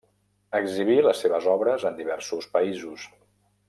Exhibí les seves obres en diversos països.